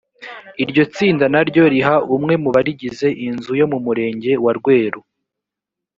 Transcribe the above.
iryo tsinda na ryo riha umwe mu barigize inzu yo mu murenge wa rweru